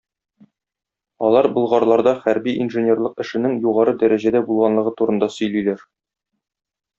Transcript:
Алар болгарларда хәрби-инженерлык эшенең югары дәрәҗәдә булганлыгы турында сөйлиләр.